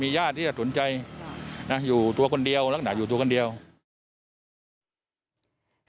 เพราะกลัวเพื่อนของกลุ่มผู้ตายจะตามมาทำร้ายค่ะ